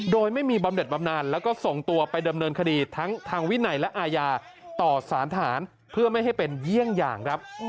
โดยไม่มีบำเด็ดบำนานแล้วก็ส่งตัวไปดำเนินคดีทั้งทางวินัยและอาญาต่อสารทหารเพื่อไม่ให้เป็นเยี่ยงอย่างครับ